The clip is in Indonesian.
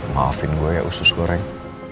maafin gue ya usus goreng